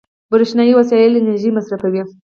برېښنایي وسایل انرژي مصرفوي.